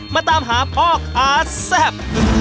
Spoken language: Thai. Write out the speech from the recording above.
มาตามหาพ่อค้าแซ่บ